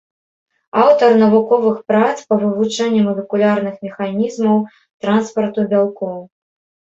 Аўтар навуковых прац па вывучэнні малекулярных механізмаў транспарту бялкоў.